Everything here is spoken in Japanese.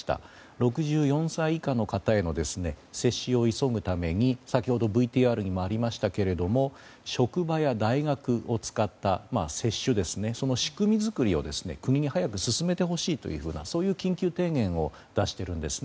６４歳以下の方への接種を急ぐために先ほどＶＴＲにもありましたが職場や大学を使った接種その仕組み作りを国に早く進めてほしいというそういう緊急提言を出しているんですね。